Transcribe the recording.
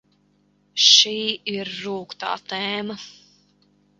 Šī ir rūgtā tēma...